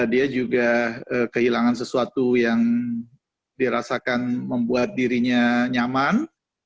dia juga kehilangan sesuatu yang dirasakan membuat dirinya nyaman